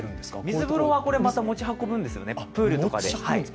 水風呂は持ち運ぶんですよね、プールとかで。